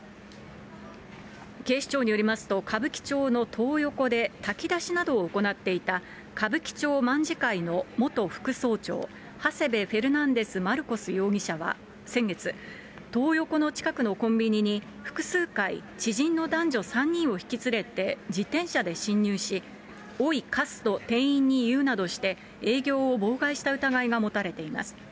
警視庁によりますと、歌舞伎町のトー横で、炊き出しなどを行っていた、歌舞伎町卍会の元副総長、ハセベフェルナンデスマルコス容疑者は、先月、トー横の近くのコンビニに複数回、知人の男女３人を引き連れて自転車で侵入し、おいカスと店員に言うなどして、営業を妨害した疑いが持たれています。